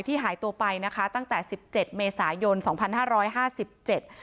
หายตัวไปนะคะตั้งแต่สิบเจ็ดเมษายนสองพันห้าร้อยห้าสิบเจ็ด